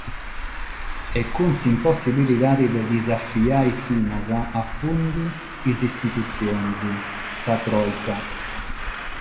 E cun s'impossibilidade de disafiare finas a fundu "is istitutziones", sa Tròika.